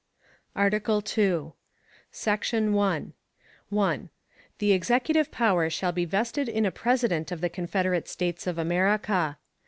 ARTICLE II. Section 1. 1. The Executive power shall be vested in a President of the Confederate States of America.